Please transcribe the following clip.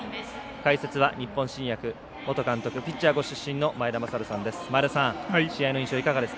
解説は日本新薬元監督ピッチャーご出身の前田正治さんです。